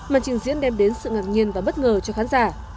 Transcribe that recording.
màn trình diễn đem đến sự ngạc nhiên và bất ngờ cho khán giả